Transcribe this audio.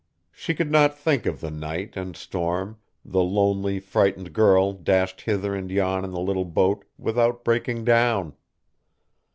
She could not think of the night and storm, the lonely, frightened girl dashed hither and yon in the little boat, without breaking down.